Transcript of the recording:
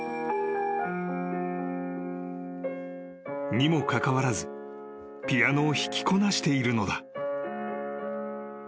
［にもかかわらずピアノを弾きこなしているのだ］